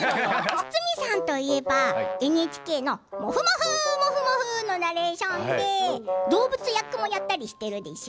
堤さんといえばＮＨＫの「もふもふモフモフ」のナレーションで動物役もやったりしてるでしょ？